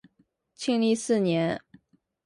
庆历四年。